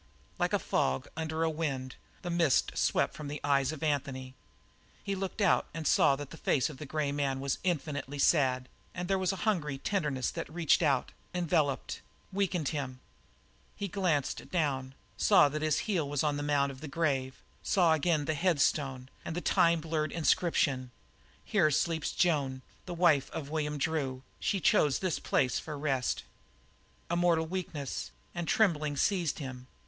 Like a fog under a wind, the mist swept from the eyes of Anthony; he looked out and saw that the face of the grey man was infinitely sad, and there was a hungry tenderness that reached out, enveloped, weakened him. He glanced down, saw that his heel was on the mount of the grave; saw again the headstone and the time blurred inscription: "Here sleeps Joan, the wife of William Drew. She chose this place for rest." A mortal weakness and trembling seized him.